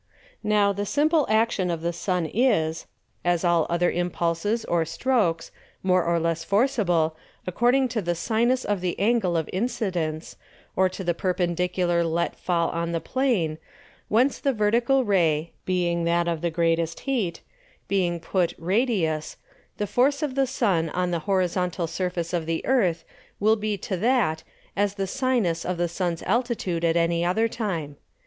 Now the simple Action of the Sun is, as all other Impulses or Stroaks, more or less forceable, according to the Sinus of the Angle of Incidence, or to the Perpendicular let fall on the Plain, whence the vertical Ray (being that of the greatest Heat,) being put Radius, the force of the Sun on the Horizontal Surface of the Earth will be to that, as the Sinus of the Sun's Altitude at any other time.